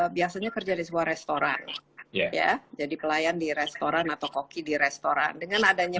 biasanya kerja di sebuah restoran ya jadi pelayan di restoran atau koki di restoran dengan adanya